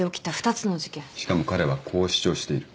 しかも彼はこう主張している。